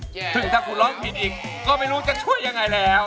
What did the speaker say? ซึ่งถ้าคุณร้องผิดอีกก็ไม่รู้จะช่วยยังไงแล้ว